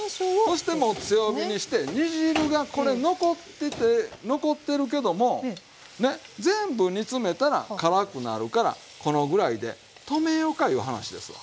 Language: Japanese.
そしてもう強火にして煮汁がこれ残ってて残ってるけどもね全部煮詰めたら辛くなるからこのぐらいで止めようかいう話ですわ。